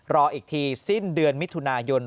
รออีกทีสิ้นเดือนมิถุนายน